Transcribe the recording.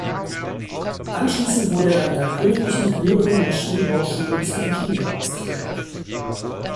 Anschließend wurde er an der königlichen höheren Maschinenbauschule zum Ingenieur ausgebildet.